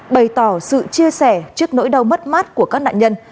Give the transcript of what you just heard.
bày tỏ sự chia sẻ trước nỗi đau mất mát của các nạn nhân